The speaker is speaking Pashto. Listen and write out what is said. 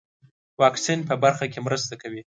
واکسین په برخه کې مرسته کوي.